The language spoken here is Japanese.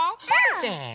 せの！